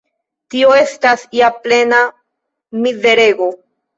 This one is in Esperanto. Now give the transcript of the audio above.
Tio estas ja plena mizerego!